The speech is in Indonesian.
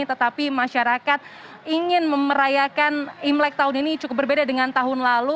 tetapi masyarakat ingin memerayakan imlek tahun ini cukup berbeda dengan tahun lalu